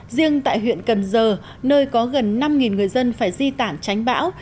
riêng tại huyện cần giờ nơi có gần năm người dân phải di tản tránh bão